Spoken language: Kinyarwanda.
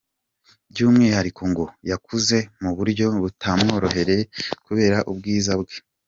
By’umwihariko ngo yakuze mu buryo butamworoheye kubera ubwiza bwe.